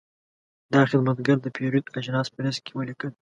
دا خدمتګر د پیرود اجناس په لېست کې ولیکل.